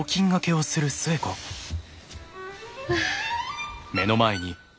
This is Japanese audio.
はあ。